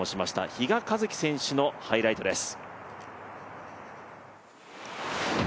比嘉一貴選手のハイライトです。